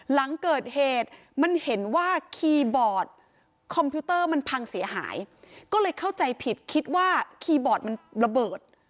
หลังเกิดเหตุมันเห็นว่าคีย์บอร์ดคอมพิวเตอร์มันพังเสียหายก็เลยเข้าใจผิดคิดว่าคีย์บอร์ดมันระเบิด